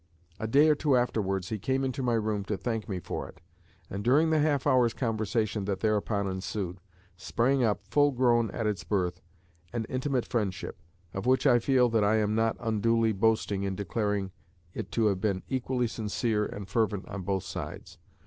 A day or two afterwards he came into my room to thank me for it; and during the half hour's conversation that thereupon ensued, sprang up, full grown at its birth, an intimate friendship, of which I feel that I am not unduly boasting in declaring it to have been equally sincere and fervent on both sides.